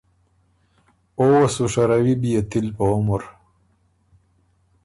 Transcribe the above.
او وه سو شَرَوی بيې تِل په عمر۔